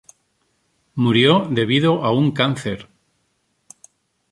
Murió debido a un cáncer.